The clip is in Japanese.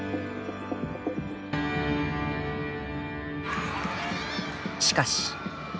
今しかし。